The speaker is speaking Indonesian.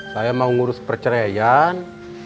saya mau ngurus perceraian